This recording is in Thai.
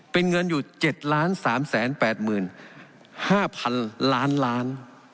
เป็นเงินอยู่๗ล้าน๓แสน๘หมื่น๕พันล้านล้าน